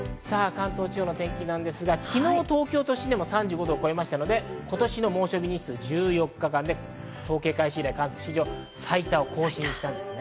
関東地方の天気ですが、昨日東京都心でも３５度を超えましたので、今年の猛暑日日数は１４日間で統計開始以来、観測史上最多を更新しました。